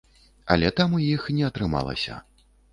Але там у іх не атрымалася.